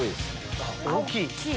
大きい！